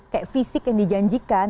kayak fisik yang dijanjikan